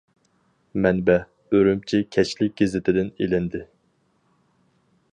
مەنبە : ئۈرۈمچى كەچلىك گېزىتىدىن ئېلىندى.